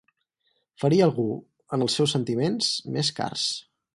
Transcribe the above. Ferir algú en els seus sentiments més cars.